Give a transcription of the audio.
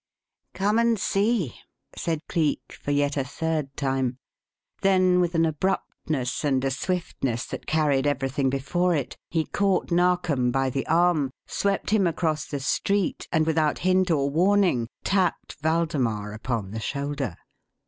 "Come and see!" said Cleek for yet a third time. Then with an abruptness and a swiftness that carried everything before it, he caught Narkom by the arm, swept him across the street, and without hint or warning tapped Waldemar upon the shoulder.